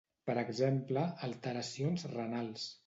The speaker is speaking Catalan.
Per exemple, alteracions renals.